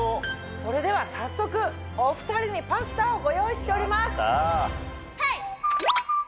それでは早速お２人にパスタをご用意しております！